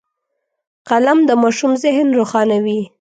قلم د ماشوم ذهن روښانوي